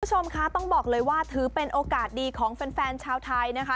คุณผู้ชมคะต้องบอกเลยว่าถือเป็นโอกาสดีของแฟนชาวไทยนะคะ